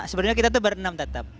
sebenarnya kita tuh berenam tetap